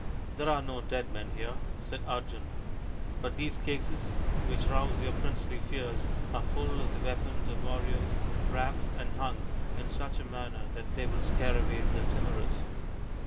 " There are no dead men here," said Arjun, " but these cases which rouse your princely fears are full of the weapons of warriors, wrapped and hung in such THE FIVE TALL SONS OF PANDU 95 a manner that they will scare away the timorous.